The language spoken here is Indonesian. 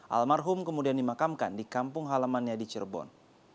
alam marhum kemudian dimakamkan di kampung halamannya di cirebon